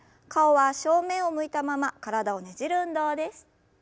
顔は正面を向いたまま体をねじる運動です。